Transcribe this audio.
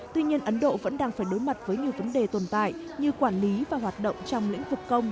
tuy nhiên ấn độ vẫn đang phải đối mặt với nhiều vấn đề tồn tại như quản lý và hoạt động trong lĩnh vực công